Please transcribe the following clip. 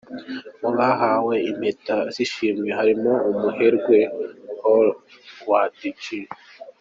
Mu bahawe Impeta z’Ishimwe harimo umuherwe Howard G.